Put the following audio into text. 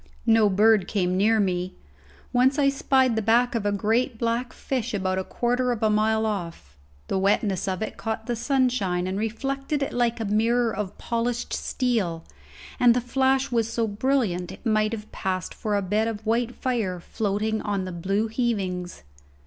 No bird came near me. Once I spied the back of a great black fish about a quarter of a mile off. The wetness of it caught the sunshine and reflected it like a mirror of polished steel, and the flash was so brilliant it might have passed for a bed of white fire floating on the blue heavings.